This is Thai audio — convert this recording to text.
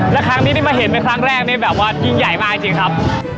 และครั้งนี้ที่มาเห็นเป็นครั้งแรกนี่แบบว่ายิ่งใหญ่มากจริงครับ